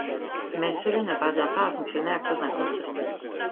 Mais celui ne parvient pas à fonctionner à cause d'un court circuit.